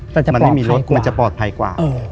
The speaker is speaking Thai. มันจะปลอดภัยกว่ามันจะปลอดภัยกว่าเออ